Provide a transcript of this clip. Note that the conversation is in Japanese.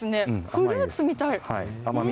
フルーツみたい。